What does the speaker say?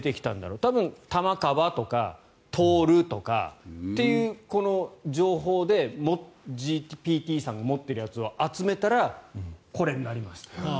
多分、玉川とか徹とかっていうこの情報でＧＰＴさんが持っているやつを集めたらこれになりますと。